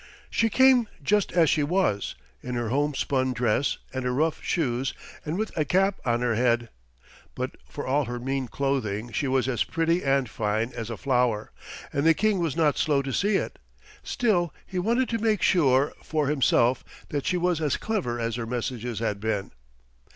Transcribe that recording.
She came just as she was, in her homespun dress and her rough shoes and with a cap on her head, but for all her mean clothing she was as pretty and fine as a flower, and the King was not slow to see it. Still he wanted to make sure for himself that she was as clever as her messages had been.